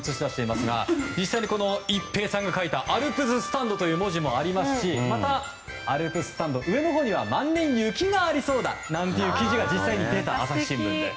実際、一平さんが書いたアルプススタンドという文字もありますしまた、「アルプススタンドだ上のほうには万年雪がありそうだ」なんていう記事が実際に出たと。